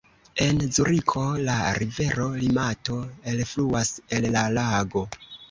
En Zuriko la rivero Limato elfluas el la lago.